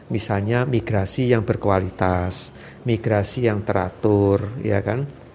misalnya migrasi yang berkualitas migrasi yang teratur ya kan